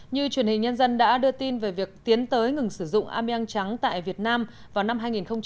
như truyền hình nhân dân đã đưa tin về việc tiến tới ngừng sử dụng ameang trắng tại việt nam vào năm hai nghìn một mươi chín